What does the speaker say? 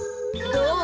どう？